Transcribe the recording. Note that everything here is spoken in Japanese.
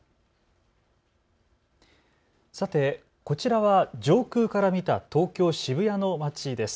さて、こちらは上空から見た東京渋谷の街です。